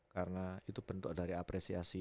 karena itu bentuk dari apresiasi